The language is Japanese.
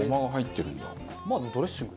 まあもうドレッシング。